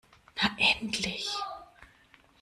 Na endlich!